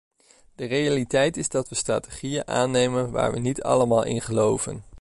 De realiteit is dat we strategieën aannemen waar we niet allemaal in geloven.